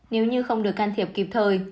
nếu như không được can thiệp kịp thời